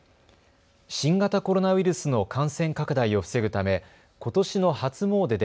新型コロナウイルスの感染拡大を防ぐためことしの初詣で